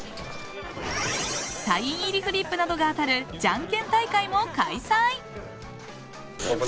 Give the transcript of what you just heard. サイン入りフリップなどが当たる、じゃんけん大会も開催。